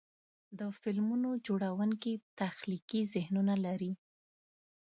د فلمونو جوړونکي تخلیقي ذهنونه لري.